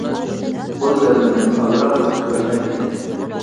قول يازمىدىن ئازراق ئوقۇپ بەرگەن ئىدى.